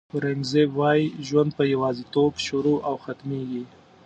اورنګزېب وایي ژوند په یوازېتوب شروع او ختمېږي.